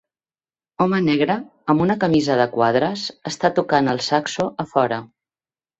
Home negre amb una camisa de quadres està tocant el saxo a fora.